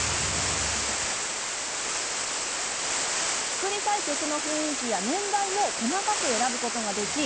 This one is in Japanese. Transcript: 作りたい曲の雰囲気や年代も細かく選ぶことができ